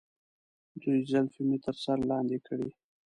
دوی زلفې مې تر سر لاندې کړي.